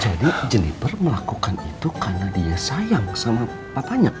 jadi jennifer melakukan itu karena dia sayang sama papahnya